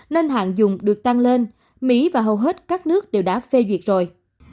nên hạn dùng được tăng lên mỹ và hầu hết các nước đều đã phê duyệt rồi